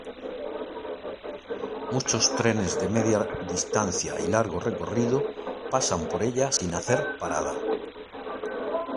Muchos trenes de Media Distancia y largo recorrido pasan por ella sin hacer parada.